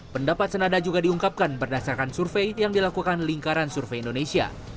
pendapat senada juga diungkapkan berdasarkan survei yang dilakukan lingkaran survei indonesia